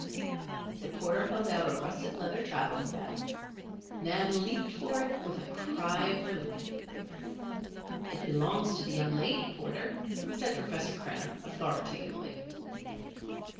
The porter held out a russet leather traveling bag. Nan leaped for it with a cry of relief. "It belongs to the young lady, porter," said Professor Krenner, authoritatively.